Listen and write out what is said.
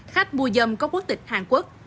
khách mua dâm có quốc tịch hàn quốc